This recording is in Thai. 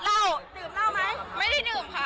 เหล้าดื่มเหล้าไหมไม่ได้ดื่มค่ะ